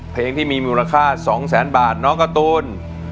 เพลงที่มีมูลค่า๒แสนบาทน้องการ์ตูน